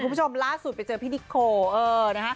คุณผู้ชมล่าสุดไปเจอพี่นิโคร